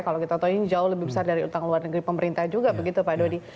kalau kita tahu ini jauh lebih besar dari utang luar negeri pemerintah juga begitu pak dodi